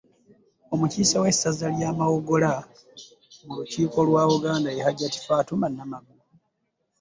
Omukiise w'essaza lya Mawogola mu lukiiko lwa Buganda, Hajjati Fatuma Namugula